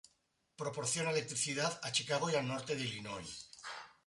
Proporciona electricidad a Chicago y al norte de Illinois.